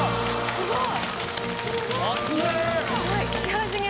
すごい。